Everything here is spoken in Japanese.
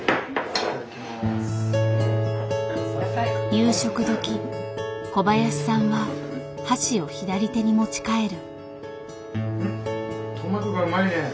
夕食時小林さんは箸を左手に持ち替える。